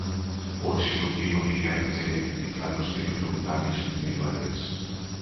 O executivo di que antes de identificalos ten que preguntarlles primeiro a eles.